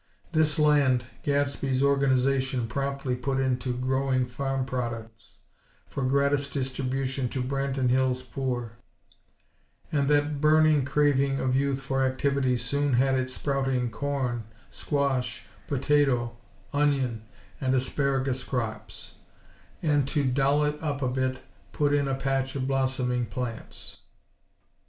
This land Gadsby's Organization promptly put into growing farm products for gratis distribution to Branton Hills' poor; and that burning craving of Youth for activity soon had it sprouting corn, squash, potato, onion and asparagus crops; and, to "doll it up a bit," put in a patch of blossoming plants.